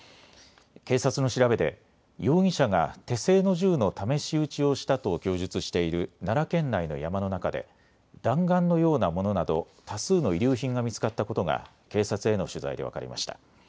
警察の調べで容疑者が手製の銃の試し撃ちをしたと供述している奈良県内の山の中で弾丸のようなものなど多数の遺留品が見つかったことが警察への取材で分かりました。